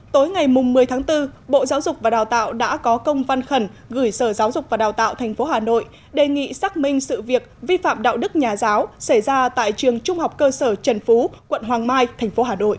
tối ngày một mươi tháng bốn bộ giáo dục và đào tạo đã có công văn khẩn gửi sở giáo dục và đào tạo tp hà nội đề nghị xác minh sự việc vi phạm đạo đức nhà giáo xảy ra tại trường trung học cơ sở trần phú quận hoàng mai tp hà nội